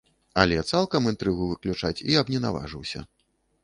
Але цалкам інтрыгу выключаць я б не наважыўся.